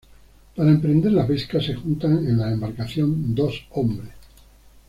Para emprender la pesca, se juntan en la embarcación dos hombres.